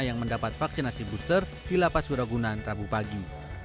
yang mendapat vaksinasi booster di lapas suragunan rabu pagi